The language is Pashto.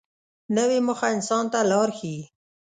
نوې موخه انسان ته لار ښیي